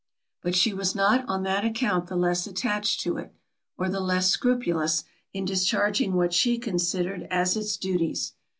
But she was not on that account the less attached to it, or the less scrupulous in discharging what she considered as its duties.